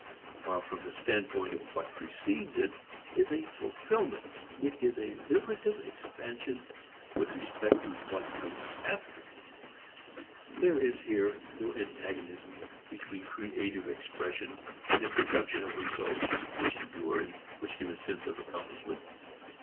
While from the standpoint of what precedes it is a fulfilment, it is a liberative expansion with respect to what comes after. There is here no antagonism between creative expression and the production of results which endure and which give a sense of accomplishment.